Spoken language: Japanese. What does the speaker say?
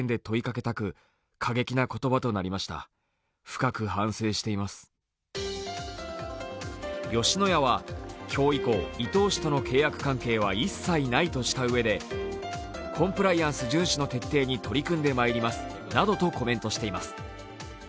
吉野家によりますと伊東氏は吉野家は今日以降、伊東氏との契約関係は一切ないとしたうえでコンプライアンス順守の徹底に取り組んでまいりますなどとコメントしています。